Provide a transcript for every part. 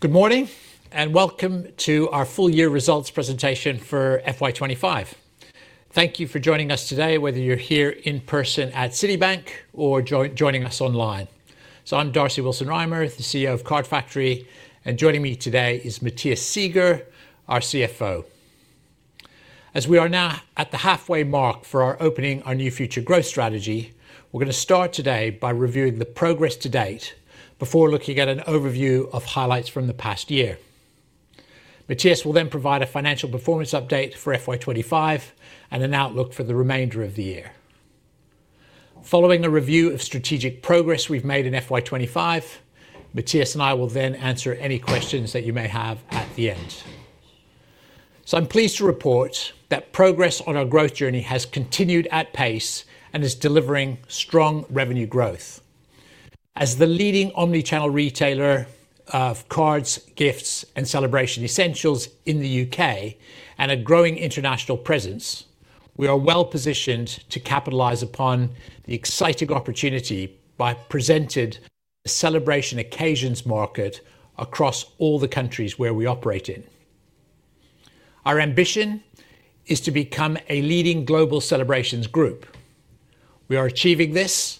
Good morning, and welcome to our full year results presentation for FY2025. Thank you for joining us today, whether you're here in person at Citibank or joining us online. I'm Darcy Willson-Rymer, the CEO of Card Factory, and joining me today is Matthias Seeger, our CFO. As we are now at the halfway mark for opening our new future growth strategy, we're going to start today by reviewing the progress to date before looking at an overview of highlights from the past year. Matthias will then provide a financial performance update for FY2025 and an outlook for the remainder of the year. Following a review of strategic progress we've made in FY2025, Matthias and I will then answer any questions that you may have at the end. I'm pleased to report that progress on our growth journey has continued at pace and is delivering strong revenue growth. As the leading omnichannel retailer of cards, gifts, and celebration essentials in the U.K. and a growing international presence, we are well-positioned to capitalize upon the exciting opportunity by presenting a celebration occasions market across all the countries where we operate in. Our ambition is to become a leading global celebrations group. We are achieving this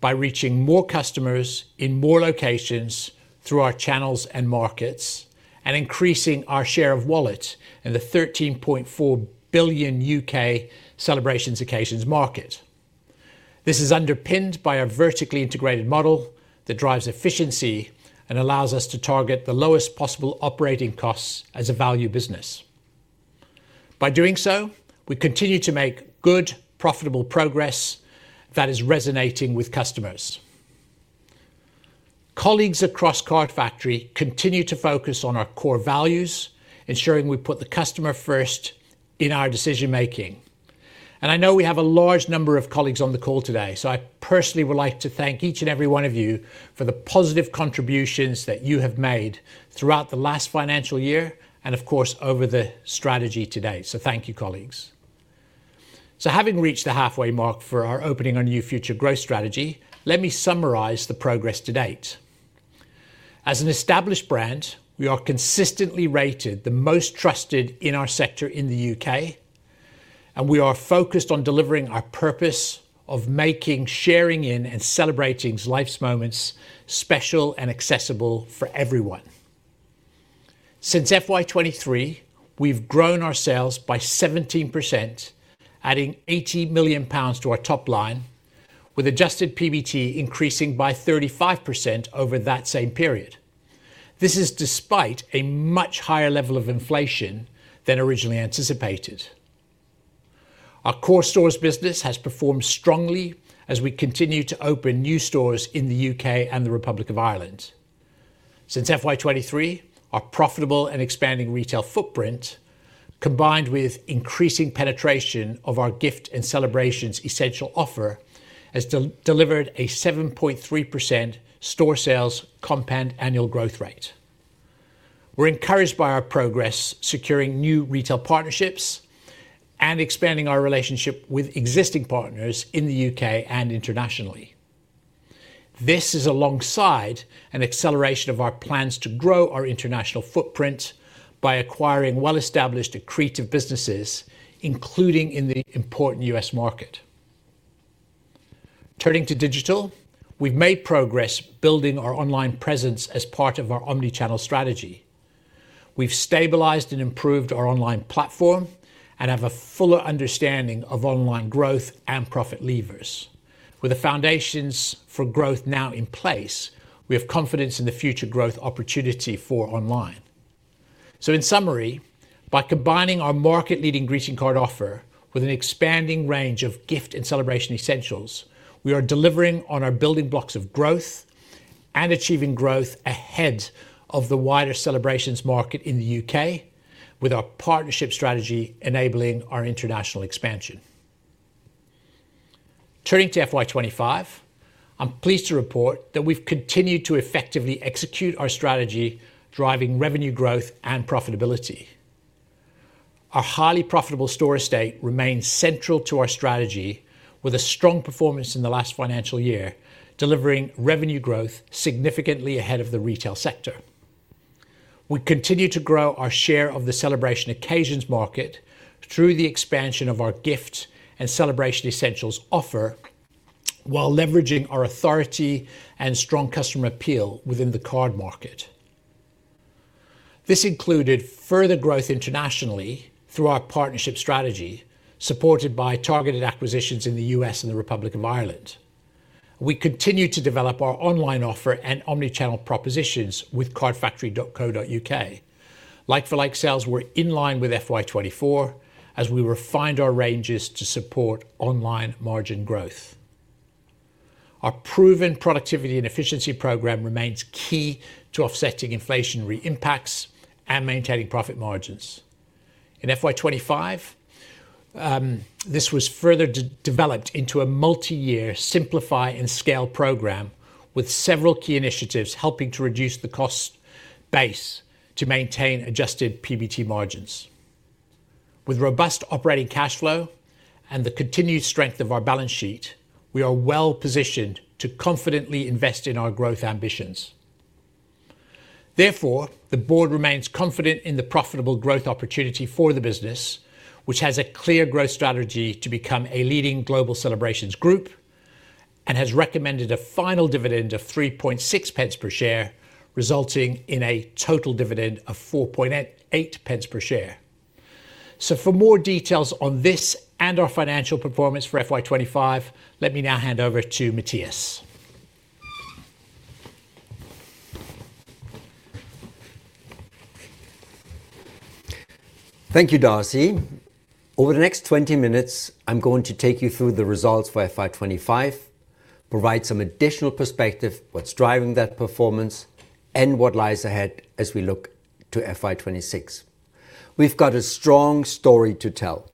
by reaching more customers in more locations through our channels and markets and increasing our share of wallet in the 13.4 billion U.K. celebration occasions market. This is underpinned by a vertically integrated model that drives efficiency and allows us to target the lowest possible operating costs as a value business. By doing so, we continue to make good, profitable progress that is resonating with customers. Colleagues across Card Factory continue to focus on our core values, ensuring we put the customer first in ourdecision-making. I know we have a large number of colleagues on the call today, so I personally would like to thank each and every one of you for the positive contributions that you have made throughout the last financial year and, of course, over the strategy to date. Thank you, colleagues. Having reached the halfway mark for our opening our new future growth strategy, let me summarize the progress to date. As an established brand, we are consistently rated the most trusted in our sector in the U.K., and we are focused on delivering our purpose of making, sharing in, and celebrating life's moments special and accessible for everyone. Since FY2023, we've grown ourselves by 17%, adding 80 million pounds to our top line, with adjusted PBT increasing by 35% over that same period. This is despite a much higher level of inflation than originally anticipated. Our core stores business has performed strongly as we continue to open new stores in the U.K. and the Republic of Ireland. Since FY2023, our profitable and expanding retail footprint, combined with increasing penetration of our gift and celebration essentials offer, has delivered a 7.3% store sales compound annual growth rate. We're encouraged by our progress, securing new retail partnerships and expanding our relationship with existing partners in the U.K. and internationally. This is alongside an acceleration of our plans to grow our international footprint by acquiring well-established creative businesses, including in the important U.S. market. Turning to digital, we've made progress building our online presence as part of our omnichannel strategy. We've stabilized and improved our online platform and have a fuller understanding of online growth and profit levers. With the foundations for growth now in place, we have confidence in the future growth opportunity for online. In summary, by combining our market-leading greeting card offer with an expanding range of gift and celebration essentials, we are delivering on our building blocks of growth and achieving growth ahead of the wider celebrations market in the U.K., with our partnership strategy enabling our international expansion. Turning to FY2025, I'm pleased to report that we've continued to effectively execute our strategy, driving revenue growth and profitability. Our highly profitable store estate remains central to our strategy, with a strong performance in the last financial year, delivering revenue growth significantly ahead of the retail sector. We continue to grow our share of the celebration occasions market through the expansion of our gift and celebration essentials offer, while leveraging our authority and strong customer appeal within the card market. This included further growth internationally through our partnership strategy, supported by targeted acquisitions in the U.S. and the Republic of Ireland. We continue to develop our online offer and omnichannel propositions with CardFactory.co.uk. Like-for-like sales were in line with FY2024 as we refined our ranges to support online margin growth. Our proven productivity and efficiency program remains key to offsetting inflationary impacts and maintaining profit margins. In FY2025, this was further developed into a multi-year simplify and scale program with several key initiatives helping to reduce the cost base to maintain adjusted PBT margins. With robust operating cash flow and the continued strength of our balance sheet, we are well positioned to confidently invest in our growth ambitions. Therefore, the board remains confident in the profitable growth opportunity for the business, which has a clear growth strategy to become a leading global celebrations group and has recommended a final dividend of 0.036 per share, resulting in a total dividend of 0.048 per share. For more details on this and our financial performance for FY2025, let me now hand over to Matthias. Thank you, Darcy. Over the next 20 minutes, I'm going to take you through the results for FY2025, provide some additional perspective, what's driving that performance, and what lies ahead as we look to FY2026. We've got a strong story to tell,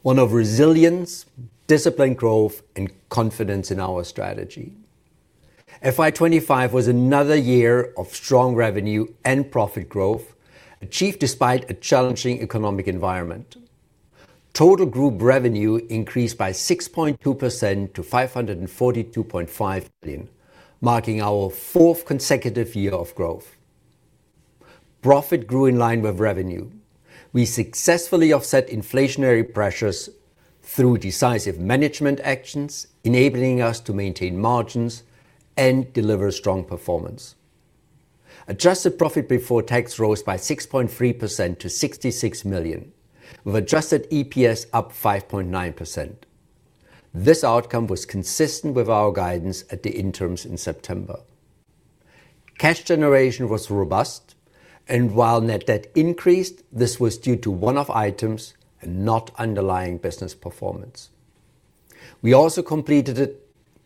one of resilience, disciplined growth, and confidence in our strategy. FY2025 was another year of strong revenue and profit growth, achieved despite a challenging economic environment. Total group revenue increased by 6.2% to 542.5 million, marking our fourth consecutive year of growth. Profit grew in line with revenue. We successfully offset inflationary pressures through decisive management actions, enabling us to maintain margins and deliver strong performance. Adjusted profit before tax rose by 6.3% to 66 million, with adjusted EPS up 5.9%. This outcome was consistent with our guidance at the interims in September. Cash generation was robust, and while net debt increased, this was due to one-off items and not underlying business performance. We also completed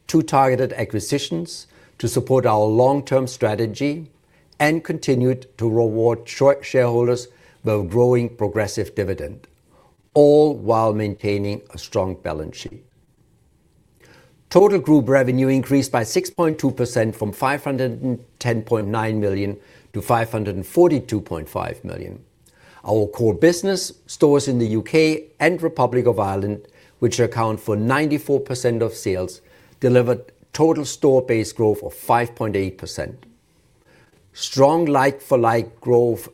two targeted acquisitions to support our long-term strategy and continued to reward shareholders with a growing progressive dividend, all while maintaining a strong balance sheet. Total group revenue increased by 6.2% from 510.9 million to 542.5 million. Our core business, stores in the U.K. and Republic of Ireland, which account for 94% of sales, delivered total store-based growth of 5.8%. Strong like-for-like growth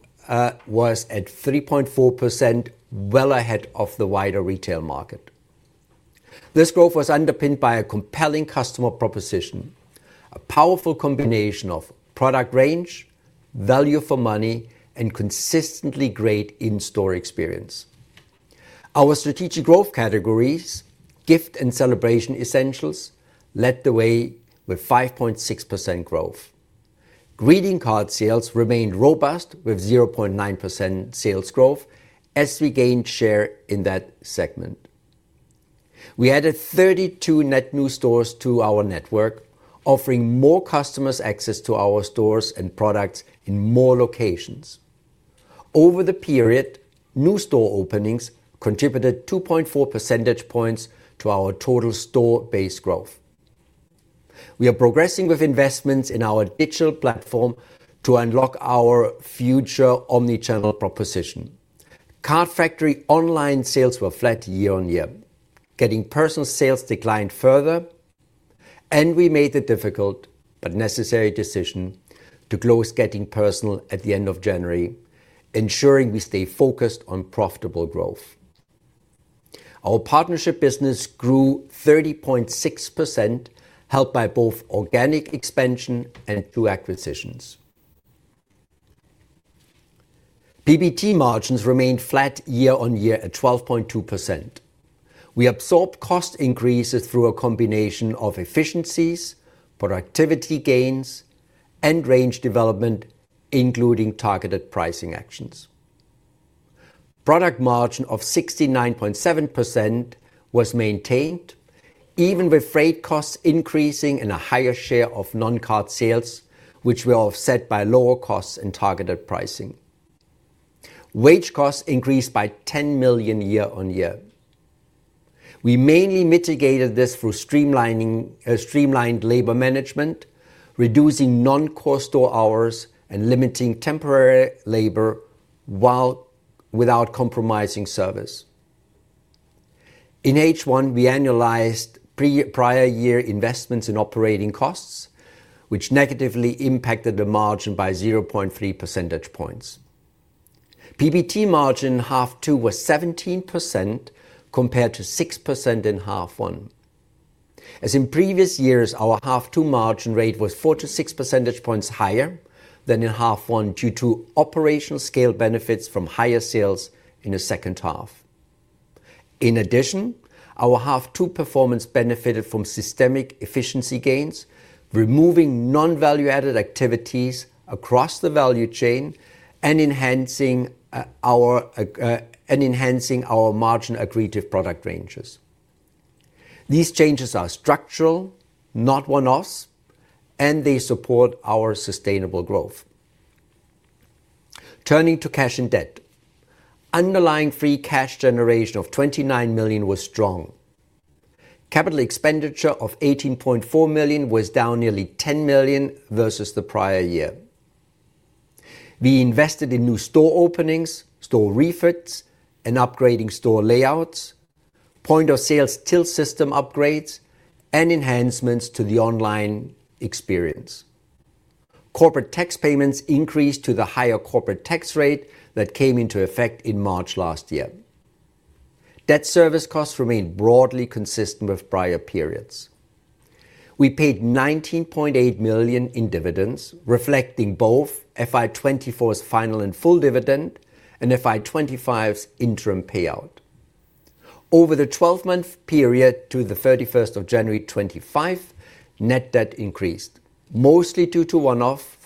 was at 3.4%, well ahead of the wider retail market. This growth was underpinned by a compelling customer proposition, a powerful combination of product range, value for money, and consistently great in-store experience. Our strategic growth categories, gift and celebration essentials, led the way with 5.6% growth. Greeting card sales remained robust with 0.9% sales growth as we gained share in that segment. We added 32 net new stores to our network, offering more customers access to our stores and products in more locations. Over the period, new store openings contributed 2.4 percentage points to our total store-based growth. We are progressing with investments in our digital platform to unlock our future omnichannel proposition. Card Factory online sales were flat year on year, Getting Personal sales declined further, and we made the difficult but necessary decision to close Getting Personal at the end of January, ensuring we stay focused on profitable growth. Our partnership business grew 30.6%, helped by both organic expansion and new acquisitions. PBT margins remained flat year on year at 12.2%. We absorbed cost increases through a combination of efficiencies, productivity gains, and range development, including targeted pricing actions. Product margin of 69.7% was maintained, even with freight costs increasing and a higher share of non-card sales, which were offset by lower costs and targeted pricing. Wage costs increased by 10 million year on year. We mainly mitigated this through streamlined labor management, reducing non-core store hours, and limiting temporary labor without compromising service. In H1, we annualized prior year investments in operating costs, which negatively impacted the margin by 0.3 percentage points. PBT margin in half two was 17% compared to 6% in half one. As in previous years, our half two margin rate was four to six percentage points higher than in half one due to operational scale benefits from higher sales in the second half. In addition, our half two performance benefited from systemic efficiency gains, removing non-value-added activities across the value chain and enhancing our margin accretive product ranges. These changes are structural, not one-offs, and they support our sustainable growth. Turning to cash and debt, underlying free cash generation of 29 million was strong. Capital expenditure of 18.4 million was down nearly 10 million versus the prior year. We invested in new store openings, store refits, and upgrading store layouts, point of sales till system upgrades, and enhancements to the online experience. Corporate tax payments increased to the higher corporate tax rate that came into effect in March last year. Debt service costs remained broadly consistent with prior periods. We paid 19.8 million in dividends, reflecting both fiscal year 2024's final and full dividend and fiscal year 2025's interim payout. Over the 12-month period to the 31st of January 2025, net debt increased, mostly due to one-offs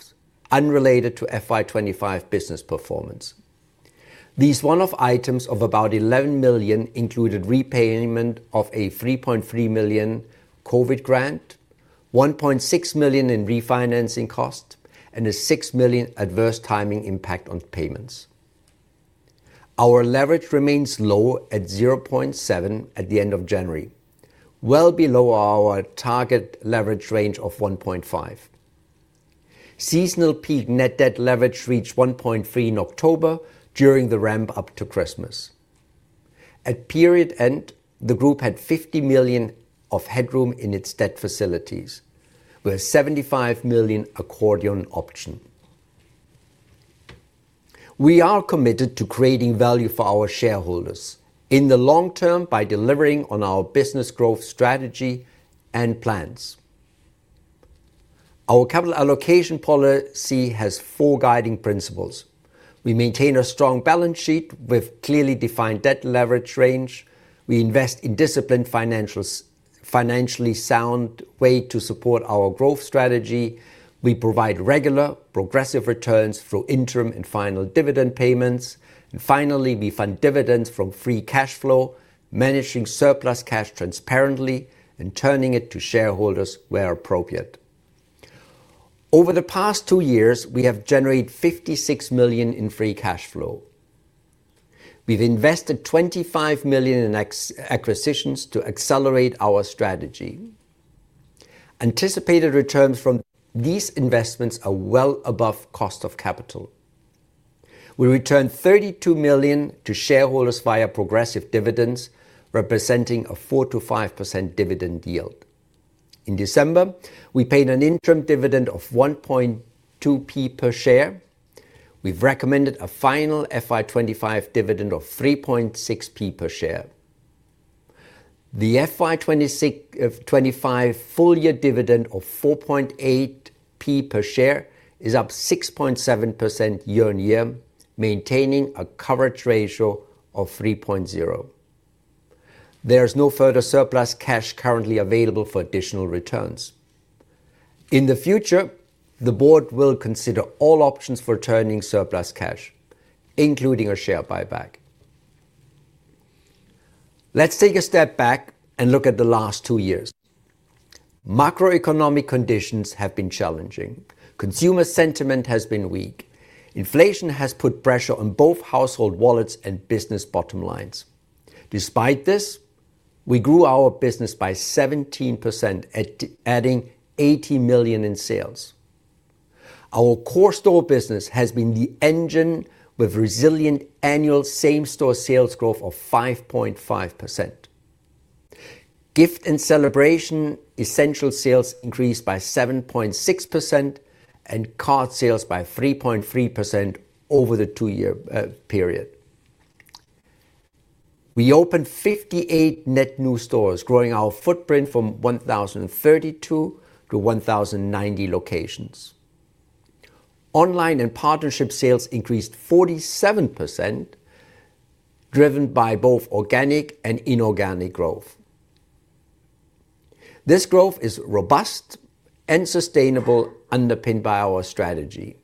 unrelated to fiscal year 2025 business performance. These one-off items of about 11 million included repayment of a 3.3 million COVID grant, 1.6 million in refinancing cost, and a 6 million adverse timing impact on payments. Our leverage remains low at 0.7 at the end of January, well below our target leverage range of 1.5. Seasonal peak net debt leverage reached 1.3 in October during the ramp up to Christmas. At period end, the group had 50 million of headroom in its debt facilities, with a 75 million accordion option. We are committed to creating value for our shareholders in the long term by delivering on our business growth strategy and plans. Our capital allocation policy has four guiding principles. We maintain a strong balance sheet with clearly defined debt leverage range. We invest in disciplined financially sound ways to support our growth strategy. We provide regular progressive returns through interim and final dividend payments. We fund dividends from free cash flow, managing surplus cash transparently and turning it to shareholders where appropriate. Over the past two years, we have generated 56 million in free cash flow. We've invested 25 million in acquisitions to accelerate our strategy. Anticipated returns from these investments are well above cost of capital. We returned 32 million to shareholders via progressive dividends, representing a 4-5% dividend yield. In December, we paid an interim dividend of 0.012 per share. We've recommended a final FY2025 dividend of 0.036 per share. The FY2025 full year dividend of 0.048 per share is up 6.7% year on year, maintaining a coverage ratio of 3.0. There is no further surplus cash currently available for additional returns. In the future, the board will consider all options for turning surplus cash, including a share buyback. Let's take a step back and look at the last two years. Macroeconomic conditions have been challenging. Consumer sentiment has been weak. Inflation has put pressure on both household wallets and business bottom lines. Despite this, we grew our business by 17%, adding 80 million in sales. Our core store business has been the engine with resilient annual same-store sales growth of 5.5%. Gift and celebration essential sales increased by 7.6% and card sales by 3.3% over the two-year period. We opened 58 net new stores, growing our footprint from 1,032 to 1,090 locations. Online and partnership sales increased 47%, driven by both organic and inorganic growth. This growth is robust and sustainable, underpinned by our strategy.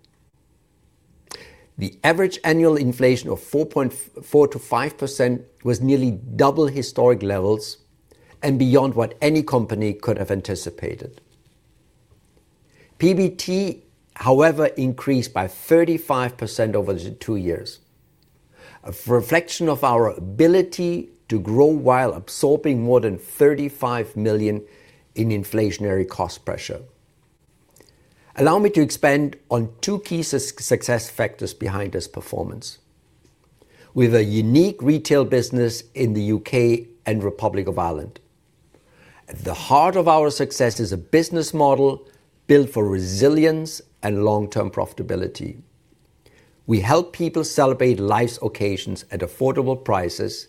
The average annual inflation of 4.4-5% was nearly double historic levels and beyond what any company could have anticipated. PBT, however, increased by 35% over the two years, a reflection of our ability to grow while absorbing more than 35 million in inflationary cost pressure. Allow me to expand on two key success factors behind this performance. We have a unique retail business in the U.K. and Republic of Ireland. At the heart of our success is a business model built for resilience and long-term profitability. We help people celebrate life's occasions at affordable prices,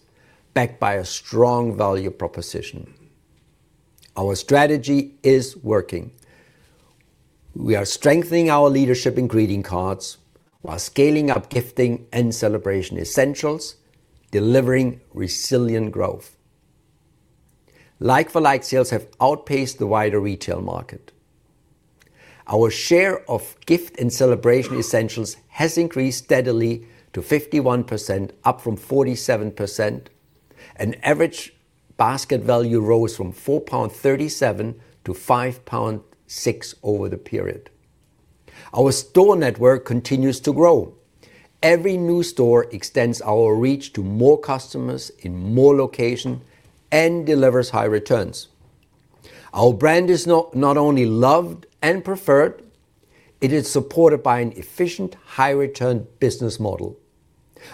backed by a strong value proposition. Our strategy is working. We are strengthening our leadership in greeting cards while scaling up gifting and celebration essentials, delivering resilient growth. Like-for-like sales have outpaced the wider retail market. Our share of gift and celebration essentials has increased steadily to 51%, up from 47%. An average basket value rose from 4.37 pound to 5.6 pound over the period. Our store network continues to grow. Every new store extends our reach to more customers in more locations and delivers high returns. Our brand is not only loved and preferred; it is supported by an efficient, high-return business model.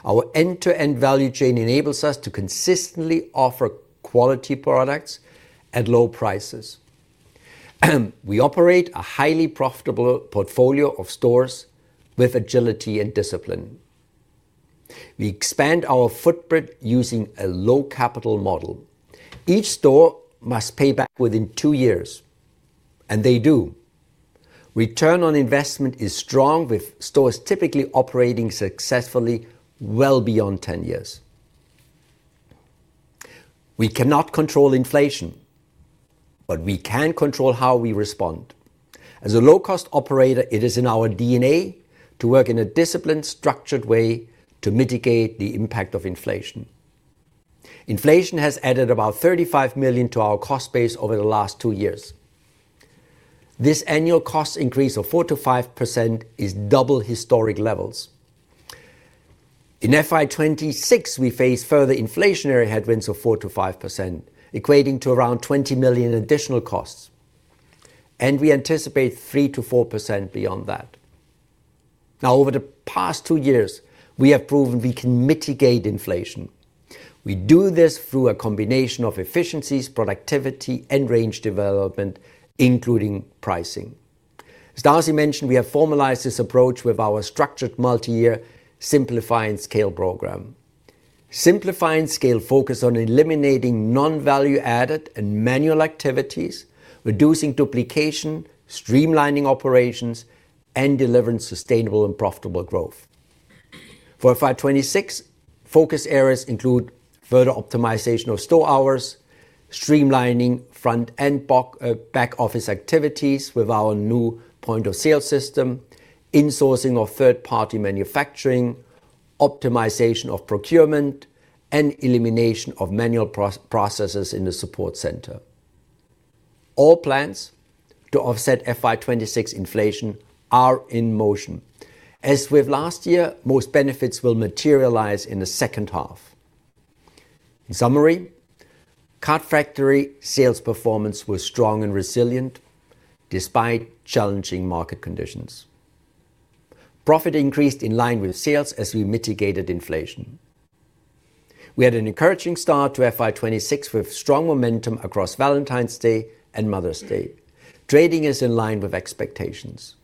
Our end-to-end value chain enables us to consistently offer quality products at low prices. We operate a highly profitable portfolio of stores with agility and discipline. We expand our footprint using a low-capital model. Each store must pay back within two years, and they do. Return on investment is strong, with stores typically operating successfully well beyond 10 years. We cannot control inflation, but we can control how we respond. As a low-cost operator, it is in our DNA to work in a disciplined, structured way to mitigate the impact of inflation. Inflation has added about 35 million to our cost base over the last two years. This annual cost increase of 4-5% is double historic levels. In FY2026, we face further inflationary headwinds of 4-5%, equating to around 20 million in additional costs, and we anticipate 3-4% beyond that. Now, over the past two years, we have proven we can mitigate inflation. We do this through a combination of efficiencies, productivity, and range development, including pricing. As Darcy Willson-Rymer mentioned, we have formalized this approach with our structured multi-year Simplify and Scale Program. Simplify and Scale focuses on eliminating non-value-added and manual activities, reducing duplication, streamlining operations, and delivering sustainable and profitable growth. For FY2026, focus areas include further optimization of store hours, streamlining front and back office activities with our new point of sale system, insourcing of third-party manufacturing, optimization of procurement, and elimination of manual processes in the support center. All plans to offset FY2026 inflation are in motion. As with last year, most benefits will materialize in the second half. In summary, Card Factory Darcy's sales performance was strong and resilient despite challenging market conditions. Profit increased in line with sales as we mitigated inflation. We had an encouraging start to FY2026 with strong momentum across Valentine's Day and Mother's Day, trading is in line with expectations.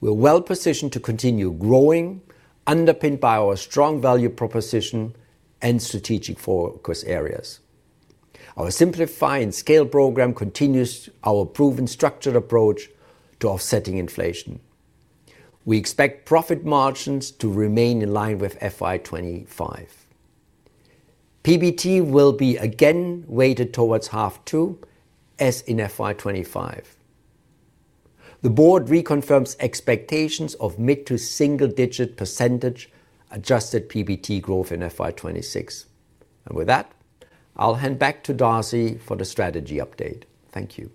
We're well positioned to continue growing, underpinned by our strong value proposition and strategic focus areas. Our simplify and scale program continues our proven structured approach to offsetting inflation. We expect profit margins to remain in line with FY2025. PBT will be again weighted towards half two, as in FY2025. The board reconfirms expectations of mid to single-digit % adjusted PBT growth in FY2026. With that, I'll hand back to Darcy for the strategy update. Thank you.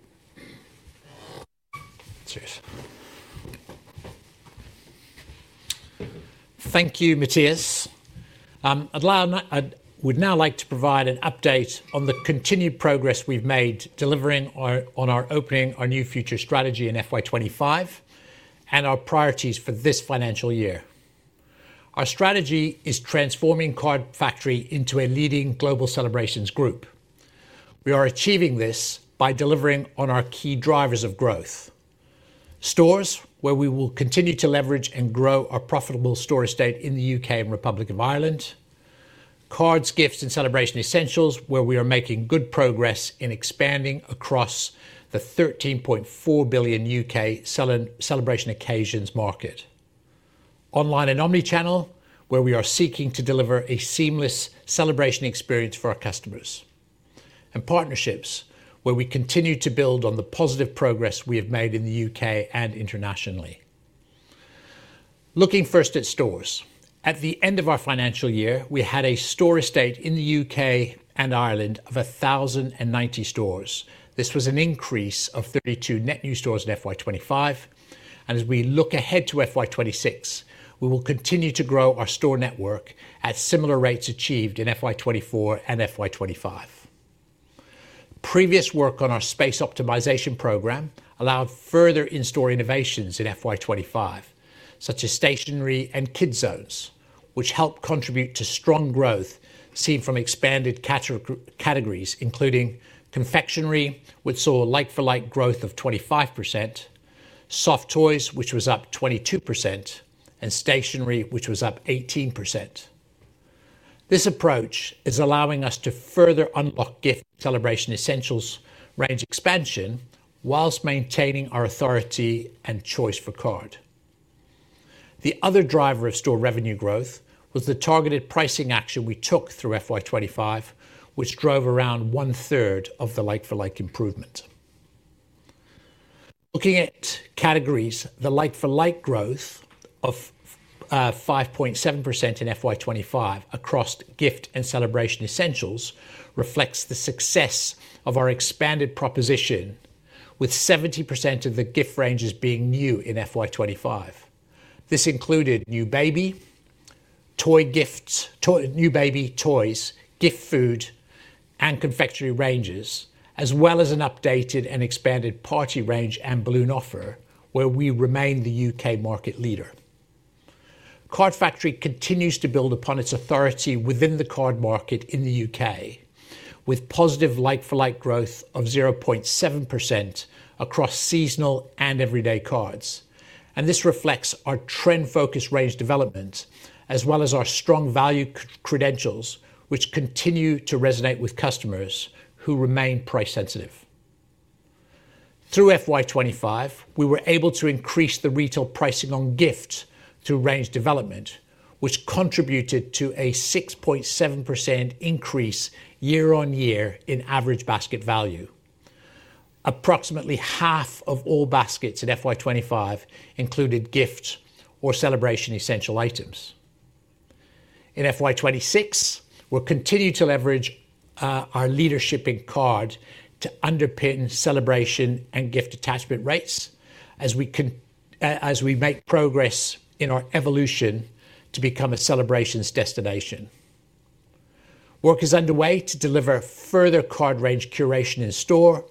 Thank you, Matthias. I'd now like to provide an update on the continued progress we've made delivering on our opening our new future strategy in FY2025 and our priorities for this financial year. Our strategy is transforming Card Factory into a leading global celebrations group. We are achieving this by delivering on our key drivers of growth: stores where we will continue to leverage and grow our profitable store estate in the U.K. and Republic of Ireland; cards, gifts, and celebration essentials where we are making good progress in expanding across the 13.4 billion U.K. celebration occasions market; online and omnichannel where we are seeking to deliver a seamless celebration experience for our customers; and partnerships where we continue to build on the positive progress we have made in the U.K. and internationally. Looking first at stores, at the end of our financial year, we had a store estate in the U.K. and Ireland of 1,090 stores. This was an increase of 32 net new stores in FY2025. As we look ahead to FY2026, we will continue to grow our store network at similar rates achieved in FY2024 and FY2025. Previous work on our space optimization program allowed further in-store innovations in FY2025, such as stationery and kids' zones, which helped contribute to strong growth seen from expanded categories, including confectionery, which saw like-for-like growth of 25%, soft toys, which was up 22%, and stationery, which was up 18%. This approach is allowing us to further unlock gift and celebration essentials range expansion whilst maintaining our authority and choice for card. The other driver of store revenue growth was the targeted pricing action we took through FY2025, which drove around one-third of the like-for-like improvement. Looking at categories, the like-for-like growth of 5.7% in FY2025 across gift and celebration essentials reflects the success of our expanded proposition, with 70% of the gift ranges being new in FY2025. This included new baby toys, gift food, and confectionery ranges, as well as an updated and expanded party range and balloon offer, where we remain the U.K. market leader. Card Factory continues to build upon its authority within the card market in the U.K., with positive like-for-like growth of 0.7% across seasonal and everyday cards. This reflects our trend-focused range development, as well as our strong value credentials, which continue to resonate with customers who remain price-sensitive. Through FY2025, we were able to increase the retail pricing on gifts through range development, which contributed to a 6.7% increase year on year in average basket value. Approximately half of all baskets in FY2025 included gift or celebration essential items. In FY2026, we'll continue to leverage our leadership in card to underpin celebration and gift attachment rates as we make progress in our evolution to become a celebrations destination. Work is underway to deliver further card range curation in store,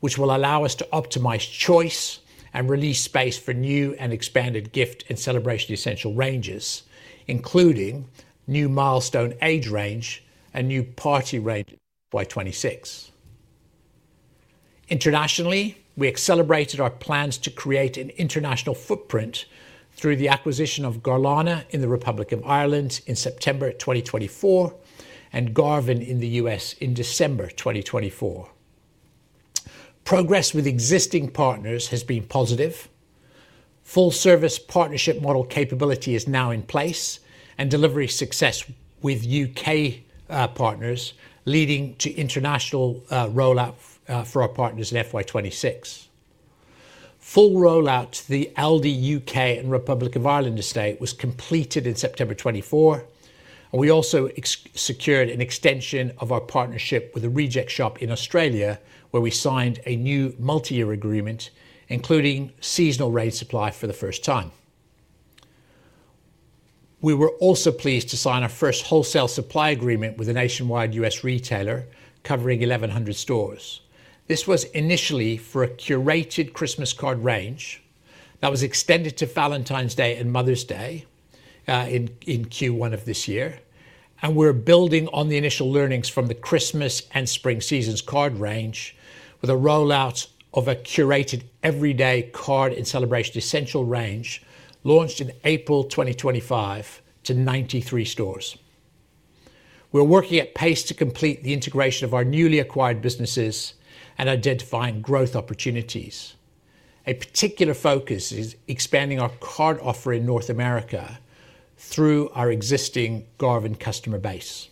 which will allow us to optimize choice and release space for new and expanded gift and celebration essential ranges, including new milestone age range and new party range in FY2026. Internationally, we accelerated our plans to create an international footprint through the acquisition of Garlana in the Republic of Ireland in September 2024 and Garvin in the US in December 2024. Progress with existing partners has been positive. Full-service partnership model capability is now in place, and delivery success with U.K. partners leading to international rollout for our partners in FY2026. Full rollout to the U.K. and Republic of Ireland estate was completed in September 2024. We also secured an extension of our partnership with Reject Shop in Australia, where we signed a new multi-year agreement, including seasonal range supply for the first time. We were also pleased to sign our first wholesale supply agreement with a nationwide U.S. retailer covering 1,100 stores. This was initially for a curated Christmas card range that was extended to Valentine's Day and Mother's Day in Q1 of this year. We are building on the initial learnings from the Christmas and spring seasons card range with a rollout of a curated everyday card and celebration essential range launched in April 2025 to 93 stores. We're working at pace to complete the integration of our newly acquired businesses and identifying growth opportunities. A particular focus is expanding our card offer in North America through our existing Garvin customer base.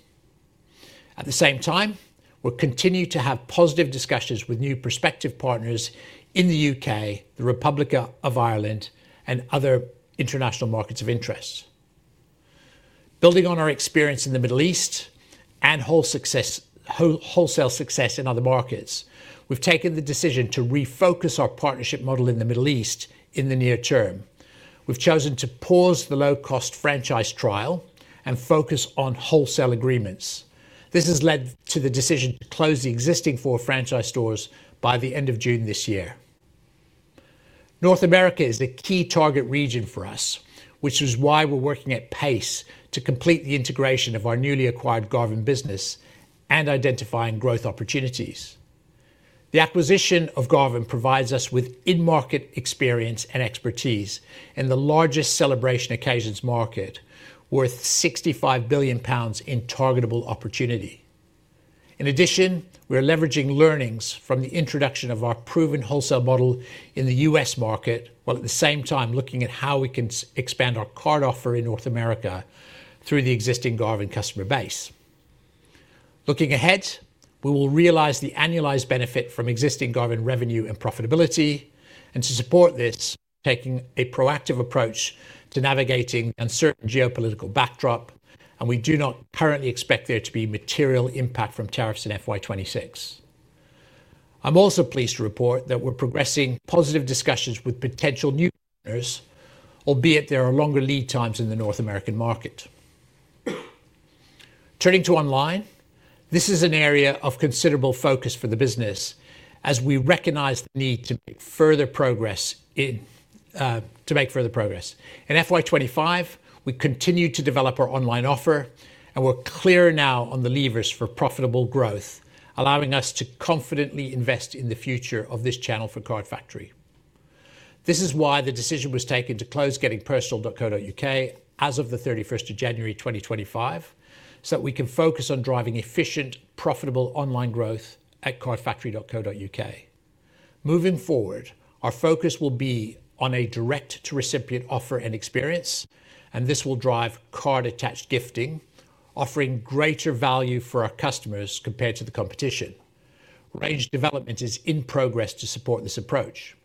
At the same time, we'll continue to have positive discussions with new prospective partners in the U.K., the Republic of Ireland, and other international markets of interest. Building on our experience in the Middle East and wholesale success in other markets, we've taken the decision to refocus our partnership model in the Middle East in the near term. We've chosen to pause the low-cost franchise trial and focus on wholesale agreements. This has led to the decision to close the existing four franchise stores by the end of June this year. North America is a key target region for us, which is why we're working at pace to complete the integration of our newly acquired Garvin business and identifying growth opportunities. The acquisition of Garvin provides us with in-market experience and expertise in the largest celebration occasions market, worth 65 billion pounds in targetable opportunity. In addition, we're leveraging learnings from the introduction of our proven wholesale model in the U.S. market while at the same time looking at how we can expand our card offer in North America through the existing Garvin customer base. Looking ahead, we will realize the annualized benefit from existing Garvin revenue and profitability. To support this, we're taking a proactive approach to navigating the uncertain geopolitical backdrop, and we do not currently expect there to be material impact from tariffs in FY2026. I'm also pleased to report that we're progressing positive discussions with potential new partners, albeit there are longer lead times in the North American market. Turning to online, this is an area of considerable focus for the business as we recognize the need to make further progress in FY2025. We continue to develop our online offer, and we're clear now on the levers for profitable growth, allowing us to confidently invest in the future of this channel for Card Factory. This is why the decision was taken to close GettingPersonal.co.uk as of the 31st of January 2025, so that we can focus on driving efficient, profitable online growth at CardFactory.co.uk. Moving forward, our focus will be on a direct-to-recipient offer and experience, and this will drive card-attached gifting, offering greater value for our customers compared to the competition. Range development is in progress to support this approach.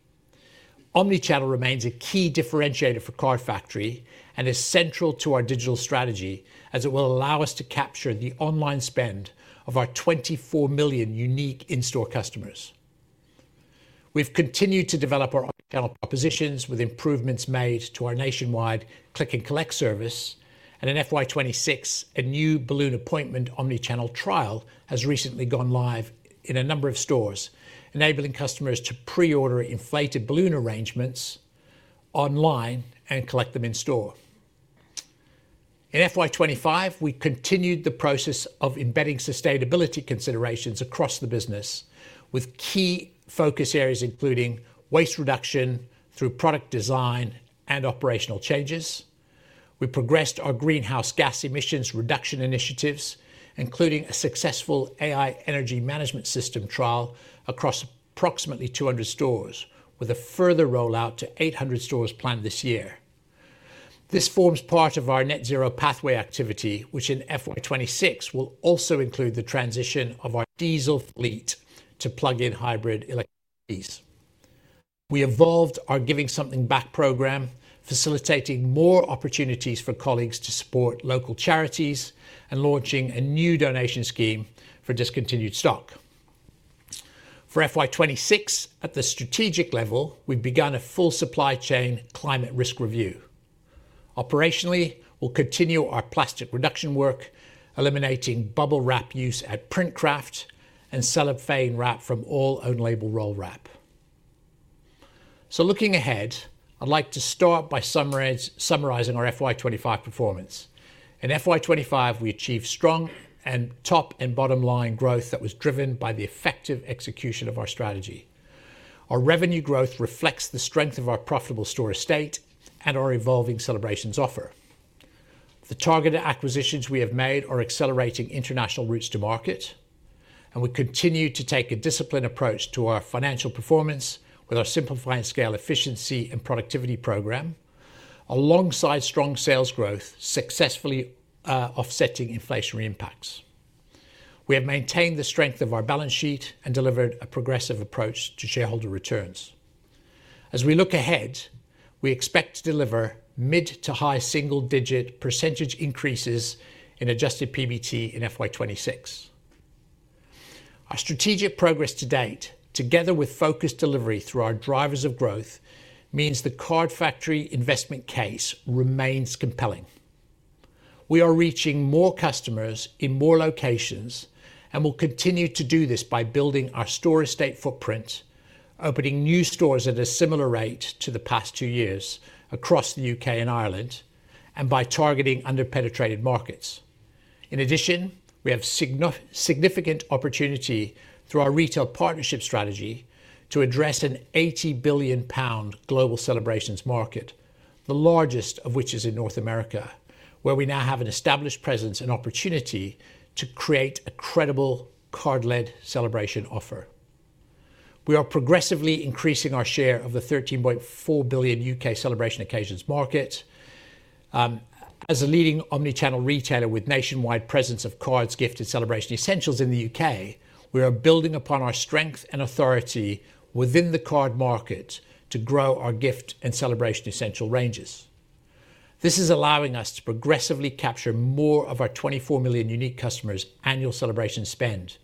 Omnichannel remains a key differentiator for Card Factory and is central to our digital strategy as it will allow us to capture the online spend of our 24 million unique in-store customers. We have continued to develop our omnichannel propositions with improvements made to our nationwide click-and-collect service. In FY2026, a new balloon appointment omnichannel trial has recently gone live in a number of stores, enabling customers to pre-order inflated balloon arrangements online and collect them in store. In FY220025, we continued the process of embedding sustainability considerations across the business with key focus areas including waste reduction through product design and operational changes. We progressed our greenhouse gas emissions reduction initiatives, including a successful AI energy management system trial across approximately 200 stores, with a further rollout to 800 stores planned this year. This forms part of our net zero pathway activity, which in FY2026 will also include the transition of our diesel fleet to plug-in hybrid electric vehicles. We evolved our Giving Something Back program, facilitating more opportunities for colleagues to support local charities and launching a new donation scheme for discontinued stock. For FY2026, at the strategic level, we have begun a full supply chain climate risk review. Operationally, we will continue our plastic reduction work, eliminating bubble wrap use at Printcraft and CelebFane wrap from all own-label roll wrap. Looking ahead, I would like to start by summarizing our FY2025 performance. In FY2025, we achieved strong and top and bottom line growth that was driven by the effective execution of our strategy. Our revenue growth reflects the strength of our profitable store estate and our evolving celebrations offer. The targeted acquisitions we have made are accelerating international routes to market. We continue to take a disciplined approach to our financial performance with our Simplify and Scale Program, efficiency and productivity program, alongside strong sales growth, successfully offsetting inflationary impacts. We have maintained the strength of our balance sheet and delivered a progressive approach to shareholder returns. As we look ahead, we expect to deliver mid to high single-digit % increases in Adjusted PBT in FY2026. Our strategic progress to date, together with focused delivery through our drivers of growth, means the Card Factory investment case remains compelling. We are reaching more customers in more locations and will continue to do this by building our store estate footprint, opening new stores at a similar rate to the past two years across the U.K. and Republic of Ireland, and by targeting under-penetrated markets. In addition, we have significant opportunity through our retail partnership strategy to address an 80 billion pound global celebrations market, the largest of which is in North America, where we now have an established presence and opportunity to create a credible card-led celebration offer. We are progressively increasing our share of the 13.4 billion U.K. celebration occasions market. As a leading omnichannel retailer with nationwide presence of cards, gifts, and celebration essentials in the U.K., we are building upon our strength and authority within the card market to grow our gift and celebration essential ranges. This is allowing us to progressively capture more of our 24 million unique customers' annual celebration spend,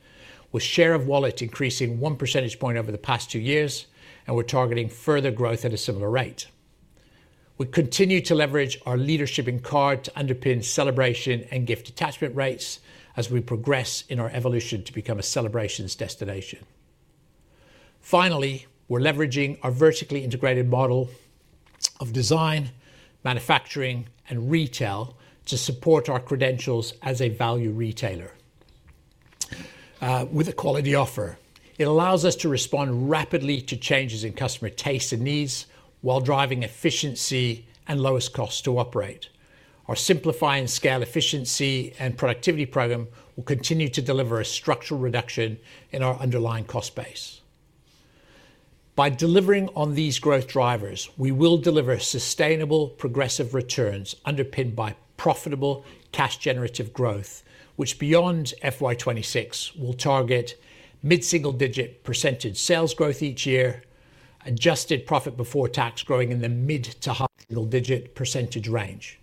with share of wallet increasing one percentage point over the past two years, and we're targeting further growth at a similar rate. We continue to leverage our leadership in cards to underpin celebration and gift attachment rates as we progress in our evolution to become a celebration destination. Finally, we're leveraging our vertically integrated model of design, manufacturing, and retail to support our credentials as a value retailer. With a quality offer, it allows us to respond rapidly to changes in customer tastes and needs while driving efficiency and lowest cost to operate. Our Simplify and Scale efficiency and productivity program will continue to deliver a structural reduction in our underlying cost base. By delivering on these growth drivers, we will deliver sustainable, progressive returns underpinned by profitable cash-generative growth, which beyond FY2026 will target mid-single-digit % sales growth each year, adjusted profit before tax growing in the mid to high single-digit % range,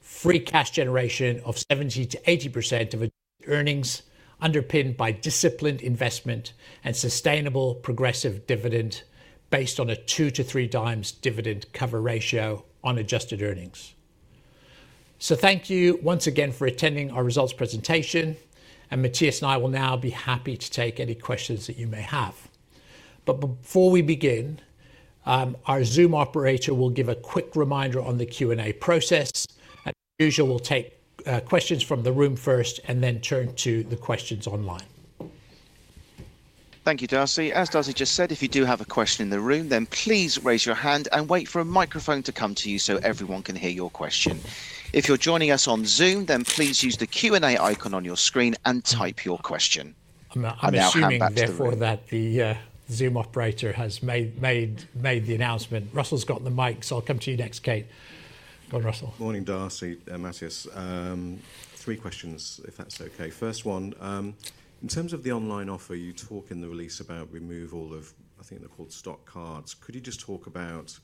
free cash generation of 70-80% of earnings underpinned by disciplined investment and sustainable progressive dividend based on a two to three times dividend cover ratio on adjusted earnings. Thank you once again for attending our results presentation, and Matthias and I will now be happy to take any questions that you may have. Before we begin, our Zoom operator will give a quick reminder on the Q&A process. As usual, we'll take questions from the room first and then turn to the questions online. Thank you, Darcy. As Darcy just said, if you do have a question in the room, then please raise your hand and wait for a microphone to come to you so everyone can hear your question. If you're joining us on Zoom, then please use the Q&A icon on your screen and type your question. I'm now handing back to the Zoom operator who has made the announcement. Russell's got the mic, so I'll come to you next, Kate. Go on, Russell. Morning, Darcy and Matthias. Three questions, if that's okay. First one, in terms of the online offer, you talk in the release about removal of, I think they're called stock cards. Could you just talk about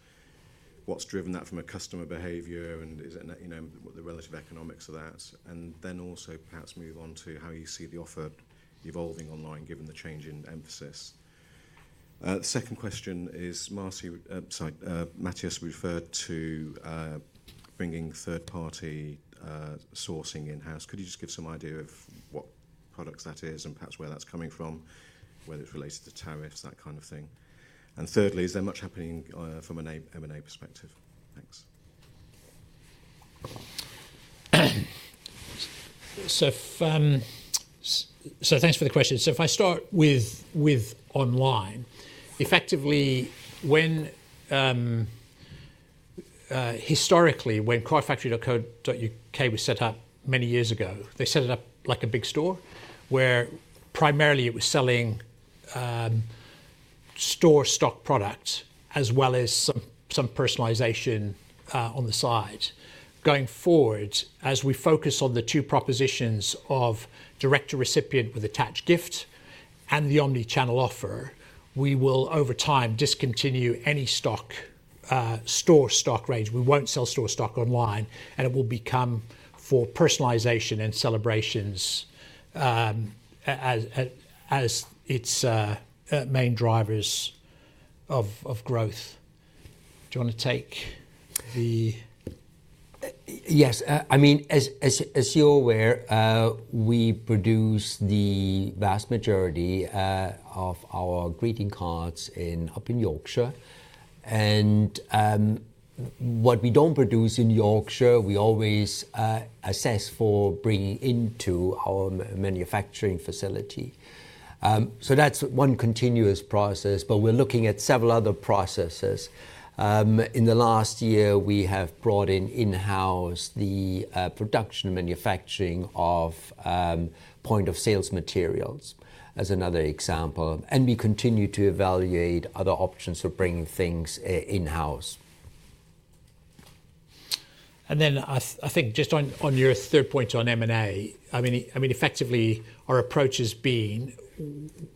what's driven that from a customer behavior and the relative economics of that? And then also perhaps move on to how you see the offer evolving online given the change in emphasis. The second question is, sorry, Matthias referred to bringing third-party sourcing in-house. Could you just give some idea of what products that is and perhaps where that's coming from, whether it's related to tariffs, that kind of thing? Thirdly, is there much happening from an M&A perspective? Thanks. Thanks for the question. If I start with online, effectively, historically, when CardFactory.co.uk was set up many years ago, they set it up like a big store where primarily it was selling store stock products as well as some personalization on the side. Going forward, as we focus on the two propositions of direct-to-recipient with attached gift and the omnichannel offer, we will over time discontinue any store stock range. We won't sell store stock online, and it will become for personalization and celebrations as its main drivers of growth. Do you want to take the—yes. I mean, as you're aware, we produce the vast majority of our greeting cards up in Yorkshire. What we don't produce in Yorkshire, we always assess for bringing into our manufacturing facility. That's one continuous process, but we're looking at several other processes. In the last year, we have brought in-house the production and manufacturing of point-of-sales materials as another example. We continue to evaluate other options for bringing things in-house. I think just on your third point on M&A, I mean, effectively, our approach has been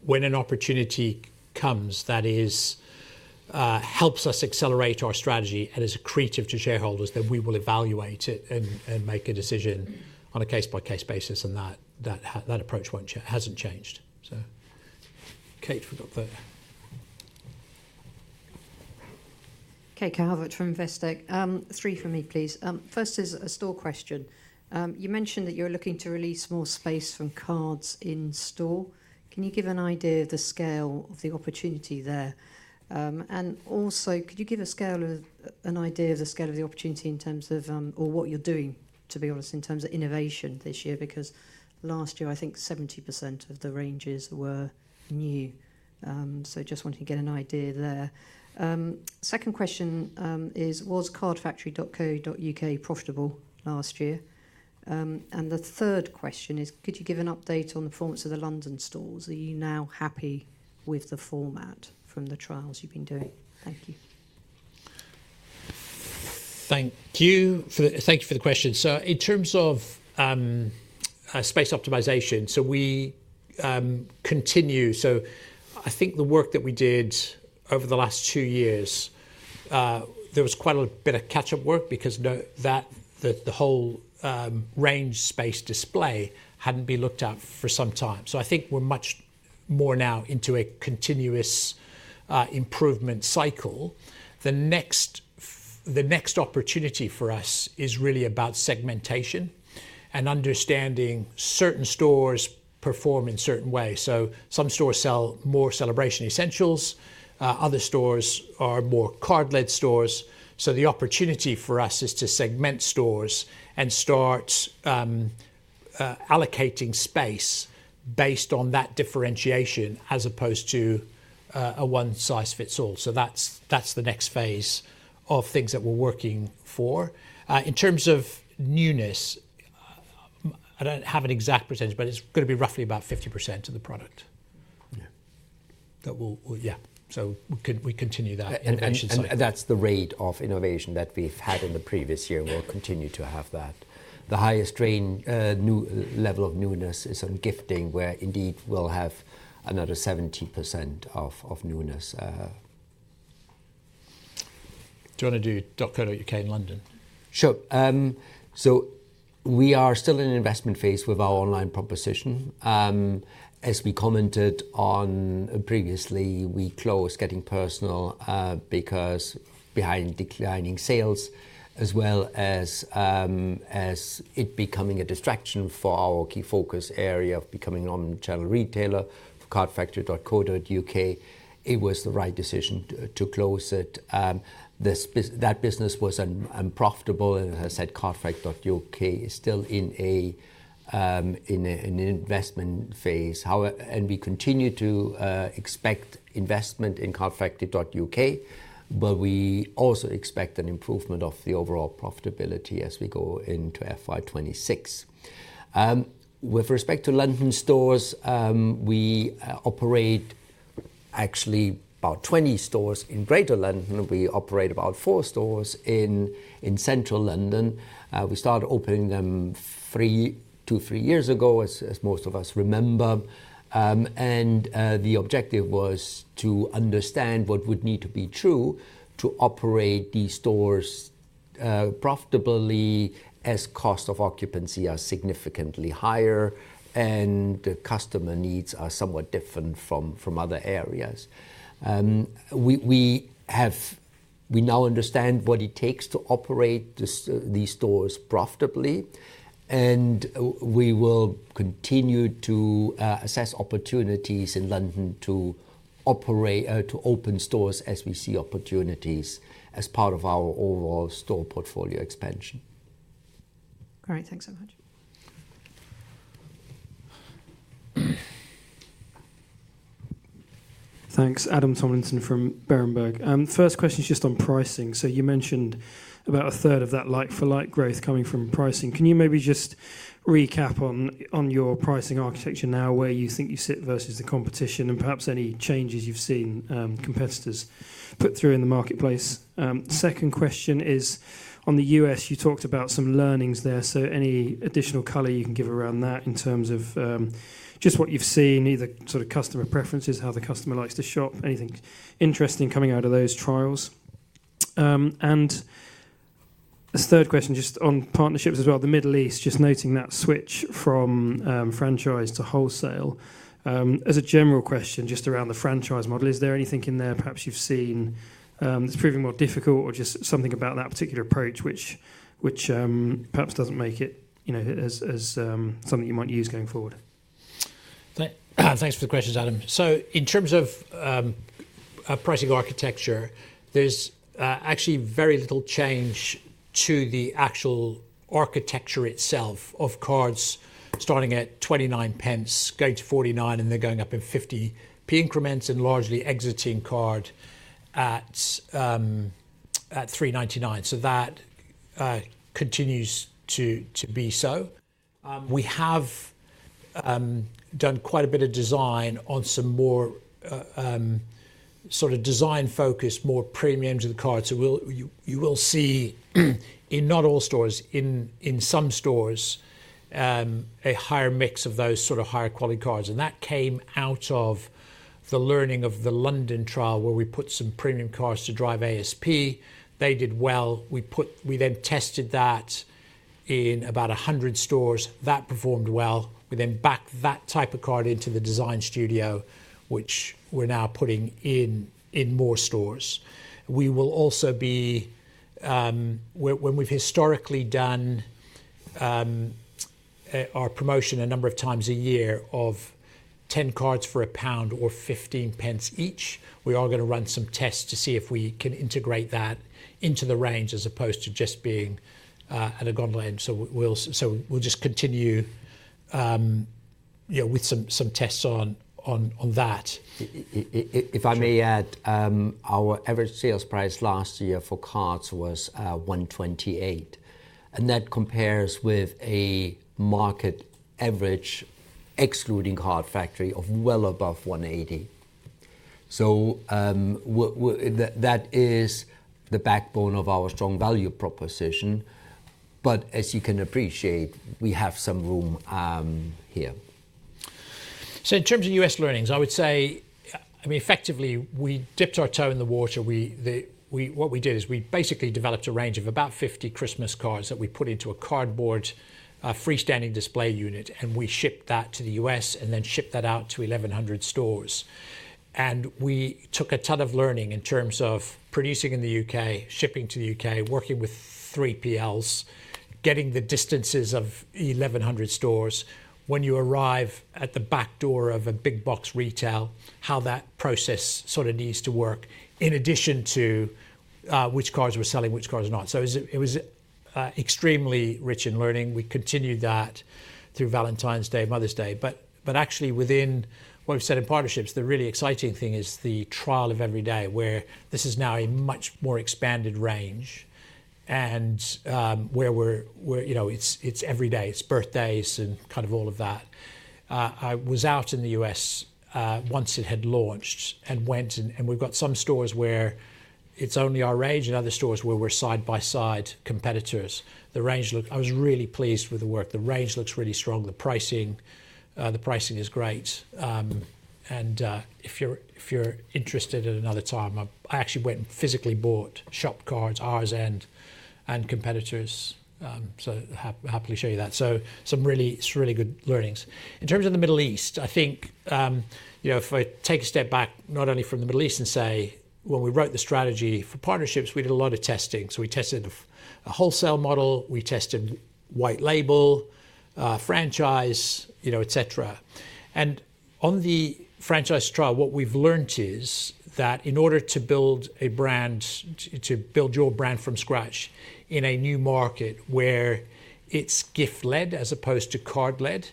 when an opportunity comes that helps us accelerate our strategy and is accretive to shareholders, we will evaluate it and make a decision on a case-by-case basis, and that approach hasn't changed. Kate, we've got the. Kate Carver from Vestic. Three for me, please. First is a store question. You mentioned that you're looking to release more space from cards in store. Can you give an idea of the scale of the opportunity there? Also, could you give an idea of the scale of the opportunity in terms of what you're doing, to be honest, in terms of innovation this year? Because last year, I think 70% of the ranges were new. Just wanted to get an idea there. Second question is, was CardFactory.co.uk profitable last year? The third question is, could you give an update on the performance of the London stores? Are you now happy with the format from the trials you've been doing? Thank you. Thank you for the question. In terms of space optimization, we continue. I think the work that we did over the last two years, there was quite a bit of catch-up work because the whole range space display had not been looked at for some time. I think we are much more now into a continuous improvement cycle. The next opportunity for us is really about segmentation and understanding certain stores perform in certain ways. Some stores sell more celebration essentials. Other stores are more card-led stores. The opportunity for us is to segment stores and start allocating space based on that differentiation as opposed to a one-size-fits-all. That is the next phase of things that we are working for. In terms of newness, I do not have an exact percentage, but it is going to be roughly about 50% of the product. Yeah. We continue that. That is the rate of innovation that we have had in the previous year, and we will continue to have that. The highest level of newness is on gifting, where indeed we will have another 70% of newness. Do you want to do dotco.uk in London? Sure. We are still in an investment phase with our online proposition. As we commented on previously, we closed Getting Personal because behind declining sales, as well as it becoming a distraction for our key focus area of becoming an omnichannel retailer for CardFactory.co.uk, it was the right decision to close it. That business was unprofitable, and as I said, CardFactory.co.uk is still in an investment phase. We continue to expect investment in CardFactory.co.uk, but we also expect an improvement of the overall profitability as we go into FY2026. With respect to London stores, we operate actually about 20 stores in Greater London. We operate about four stores in central London. We started opening them two to three years ago, as most of us remember. The objective was to understand what would need to be true to operate these stores profitably as cost of occupancy are significantly higher and customer needs are somewhat different from other areas. We now understand what it takes to operate these stores profitably, and we will continue to assess opportunities in London to open stores as we see opportunities as part of our overall store portfolio expansion. Great. Thanks so much. Thanks. Adam Tomlinson from Berenberg. First question is just on pricing. You mentioned about a third of that like-for-like growth coming from pricing. Can you maybe just recap on your pricing architecture now, where you think you sit versus the competition, and perhaps any changes you've seen competitors put through in the marketplace? Second question is, on the U.S., you talked about some learnings there. Any additional color you can give around that in terms of just what you've seen, either sort of customer preferences, how the customer likes to shop, anything interesting coming out of those trials? The third question, just on partnerships as well, the Middle East, just noting that switch from franchise to wholesale. As a general question, just around the franchise model, is there anything in there perhaps you've seen that's proving more difficult, or just something about that particular approach which perhaps does not make it as something you might use going forward? Thanks for the questions, Adam. In terms of pricing architecture, there is actually very little change to the actual architecture itself of cards starting at 0.29, going to 0.49, and then going up in 0.50 increments and largely exiting card at 3.99. That continues to be so. We have done quite a bit of design on some more sort of design-focused, more premium to the card. You will see, in not all stores, in some stores, a higher mix of those sort of higher-quality cards. That came out of the learning of the London trial where we put some premium cards to drive ASP. They did well. We then tested that in about 100 stores. That performed well. We then backed that type of card into the design studio, which we are now putting in more stores. We will also be, when we have historically done our promotion a number of times a year of 10 cards for GBP 1 or 15 pence each, going to run some tests to see if we can integrate that into the range as opposed to just being at a gondolin. We'll just continue with some tests on that. If I may add, our average sales price last year for cards was 1.28. That compares with a market average, excluding Card Factory, of well above 1.80. That is the backbone of our strong value proposition. As you can appreciate, we have some room here. In terms of U.S. learnings, I would say, I mean, effectively, we dipped our toe in the water. What we did is we basically developed a range of about 50 Christmas cards that we put into a cardboard freestanding display unit, and we shipped that to the U.S. and then shipped that out to 1,100 stores. We took a ton of learning in terms of producing in the U.K., shipping to the U.K., working with 3PLs, getting the distances of 1,100 stores, when you arrive at the back door of a big box retail, how that process sort of needs to work, in addition to which cards we are selling, which cards are not. It was extremely rich in learning. We continued that through Valentine's Day, Mother's Day. Actually, within what we have said in partnerships, the really exciting thing is the trial of every day, where this is now a much more expanded range and where it is every day. It is birthdays and kind of all of that. I was out in the U.S. once it had launched and went, and we have got some stores where it is only our range and other stores where we are side-by-side competitors. I was really pleased with the work. The range looks really strong. The pricing is great. If you're interested at another time, I actually went and physically bought shop cards, ours and competitors. Happy to show you that. Some really good learnings. In terms of the Middle East, I think if I take a step back, not only from the Middle East, and say, when we wrote the strategy for partnerships, we did a lot of testing. We tested a wholesale model. We tested white label, franchise, etc. On the franchise trial, what we've learned is that in order to build a brand, to build your brand from scratch in a new market where it's gift-led as opposed to card-led,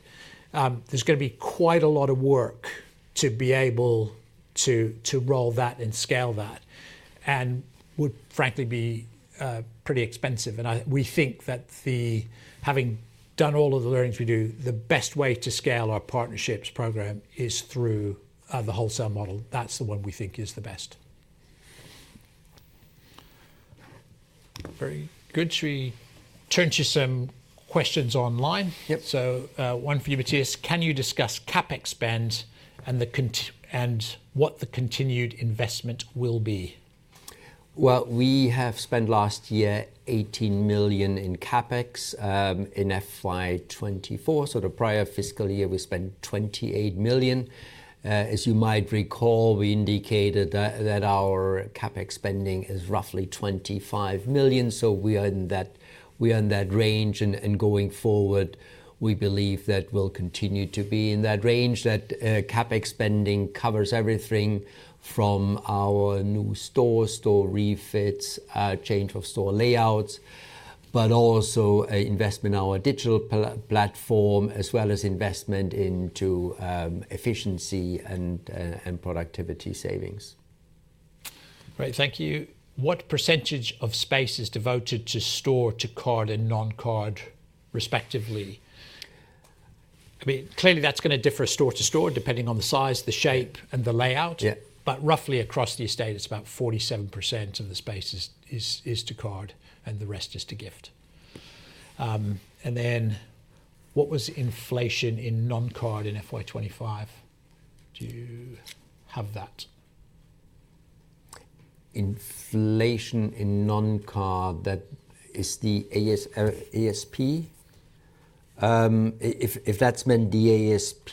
there's going to be quite a lot of work to be able to roll that and scale that and would frankly be pretty expensive. We think that having done all of the learnings we do, the best way to scale our partnerships program is through the wholesale model. That is the one we think is the best. Very good. Shall we turn to some questions online? Yep. One for you, Matthias. Can you discuss CapEx spend and what the continued investment will be? We have spent last year 18 million in CapEx in FY2024. The prior fiscal year, we spent 28 million. As you might recall, we indicated that our CapEx spending is roughly 25 million. We are in that range. Going forward, we believe that we will continue to be in that range. That CapEx spending covers everything from our new stores, store refits, change of store layouts, but also investment in our digital platform, as well as investment into efficiency and productivity savings. Great. Thank you. What percentage of space is devoted to store, to card, and non-card, respectively? I mean, clearly, that's going to differ store to store depending on the size, the shape, and the layout. But roughly across the estate, it's about 47% of the space is to card, and the rest is to gift. And then what was inflation in non-card in FY2025? Do you have that? Inflation in non-card, that is the ASP? If that's meant the ASP,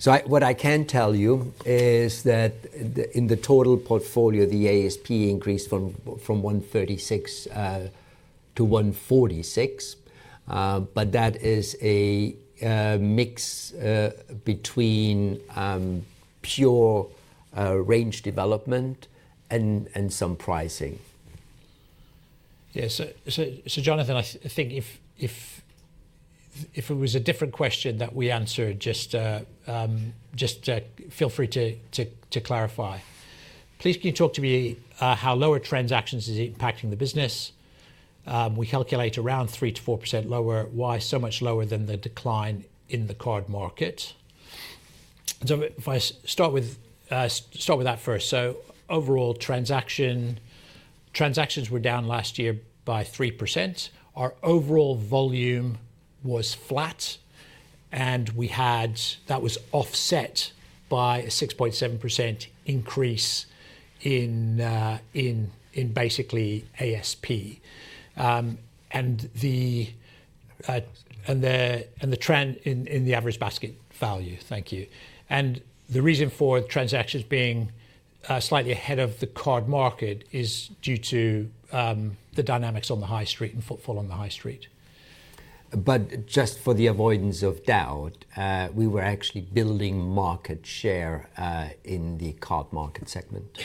so what I can tell you is that in the total portfolio, the ASP increased from 1.36 to 1.46. But that is a mix between pure range development and some pricing. Yeah. So Jonathan, I think if it was a different question that we answered, just feel free to clarify. Please can you talk to me how lower transactions is impacting the business? We calculate around 3-4% lower. Why so much lower than the decline in the card market? If I start with that first. Overall transactions were down last year by 3%. Our overall volume was flat, and that was offset by a 6.7% increase in basically ASP. The trend in the average basket value, thank you. The reason for transactions being slightly ahead of the card market is due to the dynamics on the high street and footfall on the high street. Just for the avoidance of doubt, we were actually building market share in the card market segment.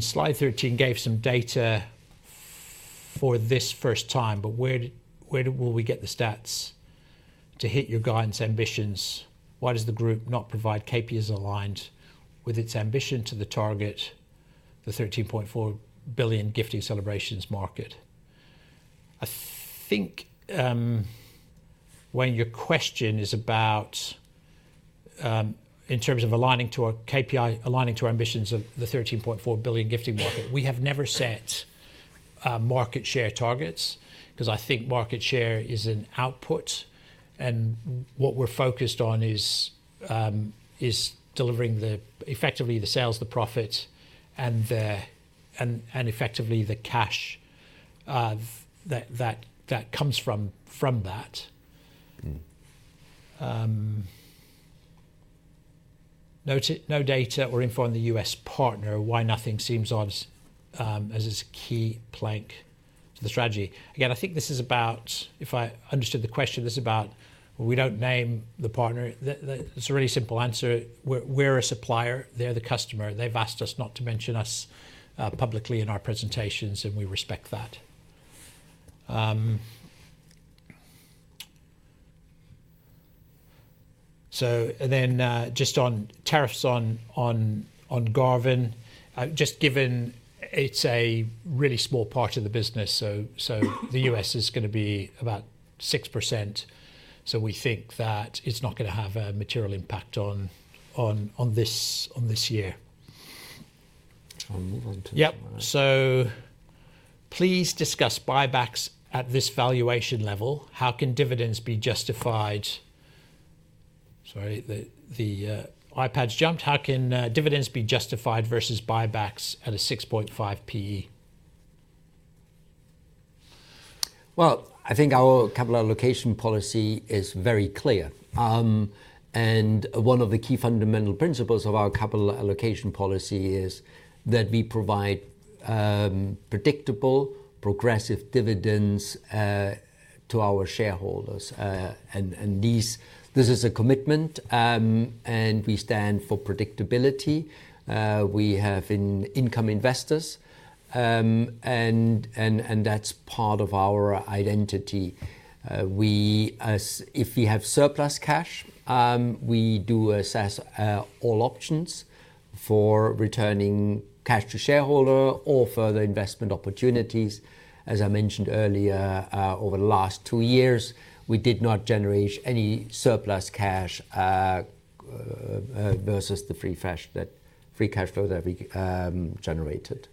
Slide 13 gave some data for this first time. Where will we get the stats to hit your guidance ambitions? Why does the group not provide KPIs aligned with its ambition to target the 13.4 billion gifting celebrations market? I think when your question is about in terms of aligning to our KPI, aligning to our ambitions of the 13.4 billion gifting market, we have never set market share targets because I think market share is an output. What we're focused on is delivering effectively the sales, the profit, and effectively the cash that comes from that. No data or info on the U.S. partner. Why nothing seems as a key plank to the strategy? I think this is about, if I understood the question, this is about we don't name the partner. It's a really simple answer. We're a supplier. They're the customer. They've asked us not to mention us publicly in our presentations, and we respect that. Just on tariffs on Garvin, just given it's a really small part of the business. The U.S. is going to be about 6%. We think that it's not going to have a material impact on this year. Yep. Please discuss buybacks at this valuation level. How can dividends be justified? Sorry, the iPad's jumped. How can dividends be justified versus buybacks at a 6.5 PE? I think our capital allocation policy is very clear. One of the key fundamental principles of our capital allocation policy is that we provide predictable, progressive dividends to our shareholders. This is a commitment, and we stand for predictability. We have income investors, and that's part of our identity. If we have surplus cash, we do assess all options for returning cash to shareholder or further investment opportunities. As I mentioned earlier, over the last two years, we did not generate any surplus cash versus the free cash flow that we generated.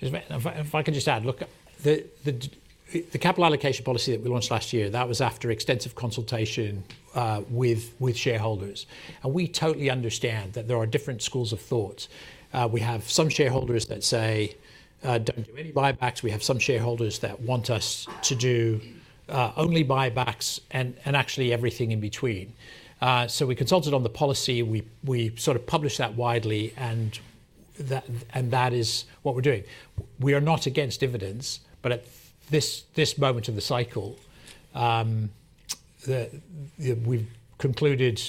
If I could just add, look, the capital allocation policy that we launched last year, that was after extensive consultation with shareholders. We totally understand that there are different schools of thought. We have some shareholders that say, "Don't do any buybacks." We have some shareholders that want us to do only buybacks and actually everything in between. We consulted on the policy. We sort of published that widely, and that is what we're doing. We are not against dividends, but at this moment of the cycle, we've concluded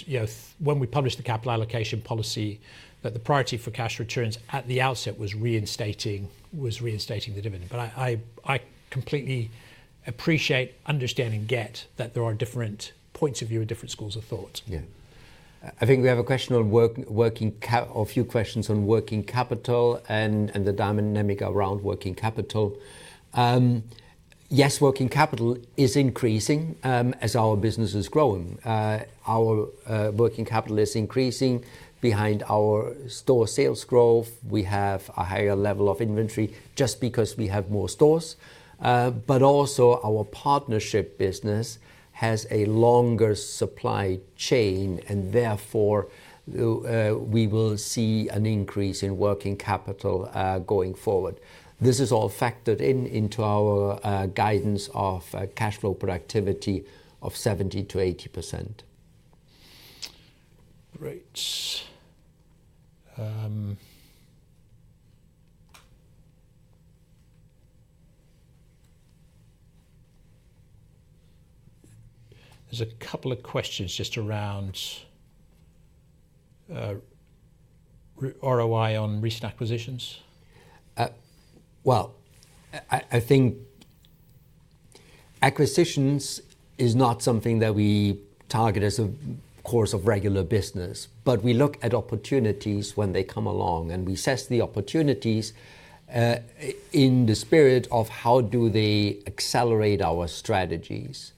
when we published the capital allocation policy that the priority for cash returns at the outset was reinstating the dividend. I completely appreciate, understand, and get that there are different points of view and different schools of thought. Yeah. I think we have a question on working or a few questions on working capital and the dynamic around working capital. Yes, working capital is increasing as our business is growing. Our working capital is increasing behind our store sales growth. We have a higher level of inventory just because we have more stores. Also, our partnership business has a longer supply chain, and therefore, we will see an increase in working capital going forward. This is all factored into our guidance of cash flow productivity of 70-80%. Great. There are a couple of questions just around ROI on recent acquisitions. I think acquisitions is not something that we target as a course of regular business. We look at opportunities when they come along, and we assess the opportunities in the spirit of how do they accelerate our strategies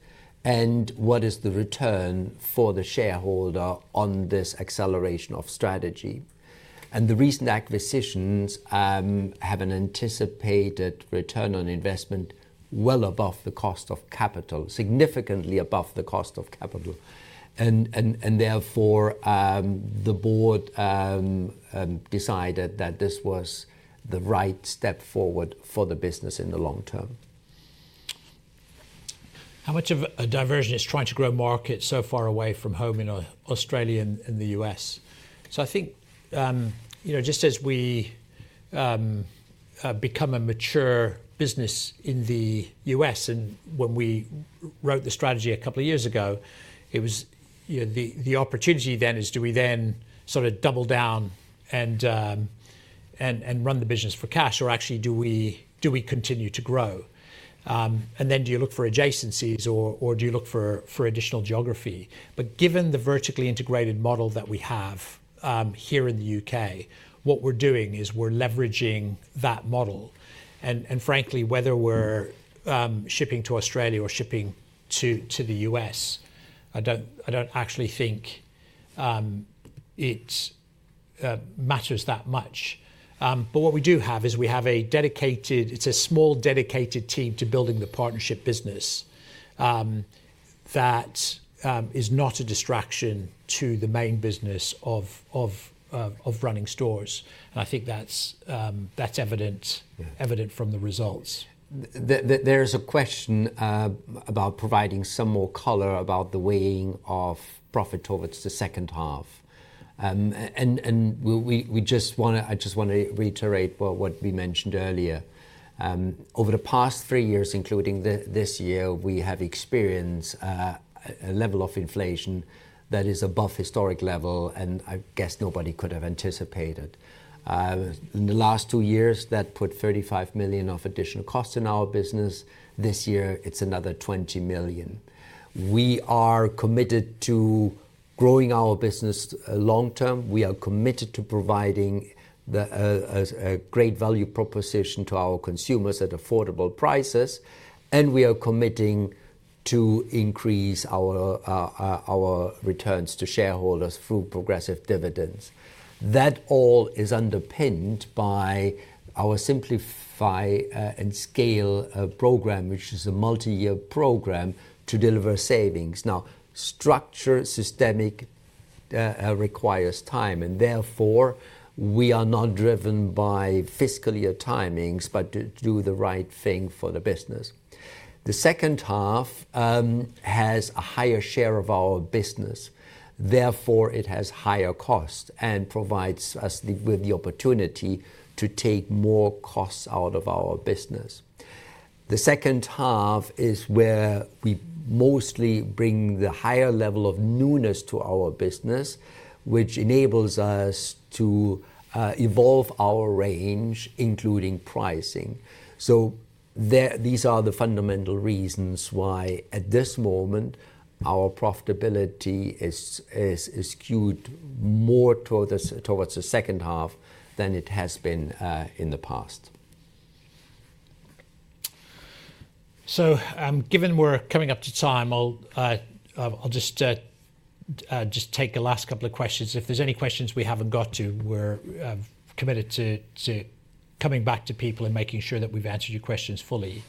and what is the return for the shareholder on this acceleration of strategy. The recent acquisitions have an anticipated return on investment well above the cost of capital, significantly above the cost of capital. Therefore, the board decided that this was the right step forward for the business in the long term. How much of a diversion is trying to grow markets so far away from home in Australia and the U.S.? I think just as we become a mature business in the U.S., and when we wrote the strategy a couple of years ago, it was the opportunity then is do we then sort of double down and run the business for cash, or actually do we continue to grow? Do you look for adjacencies, or do you look for additional geography? Given the vertically integrated model that we have here in the U.K., what we're doing is we're leveraging that model. Frankly, whether we're shipping to Australia or shipping to the U.S., I don't actually think it matters that much. What we do have is a small dedicated team to building the partnership business that is not a distraction to the main business of running stores. I think that's evident from the results. There is a question about providing some more color about the weighing of profit towards the second half. I just want to reiterate what we mentioned earlier. Over the past three years, including this year, we have experienced a level of inflation that is above historic level, and I guess nobody could have anticipated. In the last two years, that put 35 million of additional costs in our business. This year, it's another 20 million. We are committed to growing our business long term. We are committed to providing a great value proposition to our consumers at affordable prices. We are committing to increase our returns to shareholders through progressive dividends. That all is underpinned by our Simplify and Scale program, which is a multi-year program to deliver savings. Now, structure, systemic requires time. Therefore, we are not driven by fiscal year timings, but to do the right thing for the business. The second half has a higher share of our business. Therefore, it has higher costs and provides us with the opportunity to take more costs out of our business. The second half is where we mostly bring the higher level of newness to our business, which enables us to evolve our range, including pricing. These are the fundamental reasons why at this moment, our profitability is skewed more towards the second half than it has been in the past. Given we're coming up to time, I'll just take the last couple of questions. If there's any questions we haven't got to, we're committed to coming back to people and making sure that we've answered your questions fully.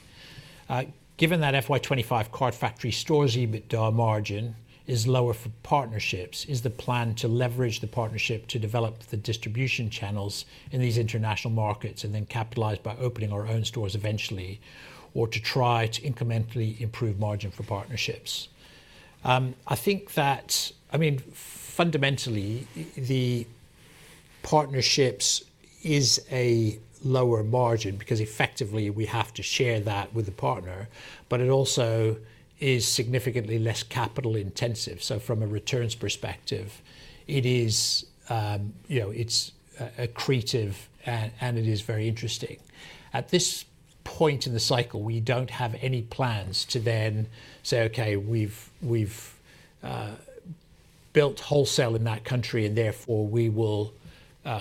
Given that FY2025 Card Factory stores' EBITDA margin is lower for partnerships, is the plan to leverage the partnership to develop the distribution channels in these international markets and then capitalize by opening our own stores eventually, or to try to incrementally improve margin for partnerships? I mean, fundamentally, the partnerships is a lower margin because effectively, we have to share that with the partner, but it also is significantly less capital intensive. From a return's perspective, it is accretive, and it is very interesting. At this point in the cycle, we do not have any plans to then say, "Okay, we have built wholesale in that country, and therefore, we will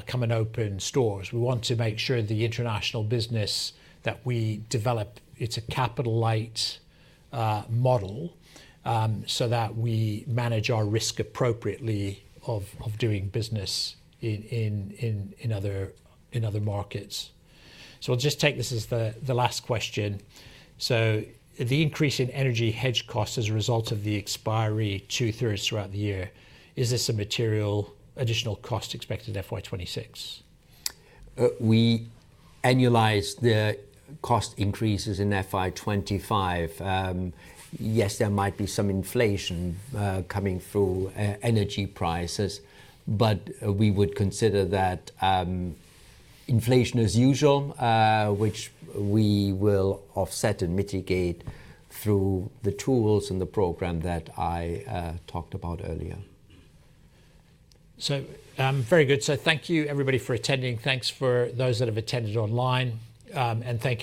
come and open stores." We want to make sure the international business that we develop, it is a capital-light model so that we manage our risk appropriately of doing business in other markets. I will just take this as the last question. The increase in energy hedge costs as a result of the expiry two-thirds throughout the year, is this a material additional cost expected in FY 2026? We annualize the cost increases in FY 2025. Yes, there might be some inflation coming through energy prices, but we would consider that inflation as usual, which we will offset and mitigate through the tools and the program that I talked about earlier. Very good. Thank you, everybody, for attending. Thanks for those that have attended online. Thank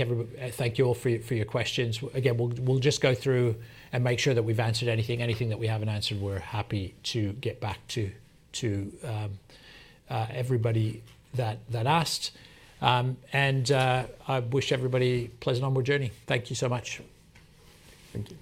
you all for your questions. Again, we'll just go through and make sure that we've answered anything. Anything that we haven't answered, we're happy to get back to everybody that asked. I wish everybody a pleasant onward journey. Thank you so much. Thank you.